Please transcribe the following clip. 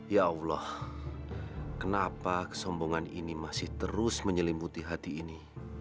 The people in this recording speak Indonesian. ya allah kenapa kesombongan ini masih terus menyelimuti hati ini